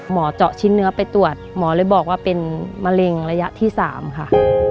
เจาะชิ้นเนื้อไปตรวจหมอเลยบอกว่าเป็นมะเร็งระยะที่๓ค่ะ